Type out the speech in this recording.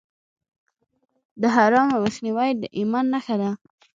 د حرامو مخنیوی د ایمان نښه ده.